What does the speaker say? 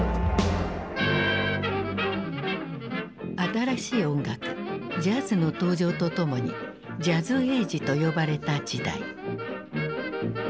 新しい音楽ジャズの登場とともにジャズエイジと呼ばれた時代。